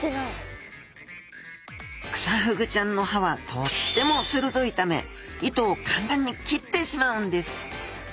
クサフグちゃんの歯はとっても鋭いため糸を簡単に切ってしまうんです。